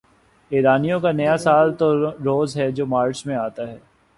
ایرانیوں کا نیا سال تو نوروز ہے جو مارچ میں آتا ہے۔